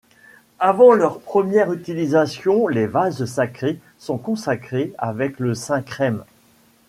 Avant leur première utilisation, les vases sacrés sont consacrés avec le Saint chrême.